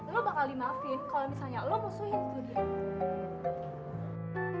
lo bakal dimaafin kalo misalnya lo musuhin tuh dia